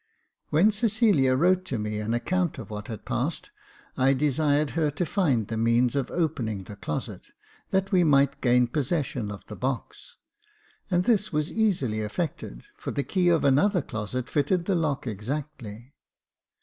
When Cecilia wrote to me an account of what had passed, I desired her to find the means of opening the closet, that we might gain possession of the box ; and this was easily effected, for the key of another closet fitted the lock exactly.